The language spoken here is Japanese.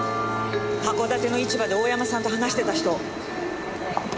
函館の市場で大山さんと話してた人。